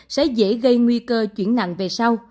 sẽ dễ gây nguy cơ chuyển nặng về sau